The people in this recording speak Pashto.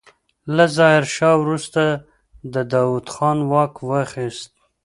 له ظاهرشاه وروسته داوود خان واک واخيست.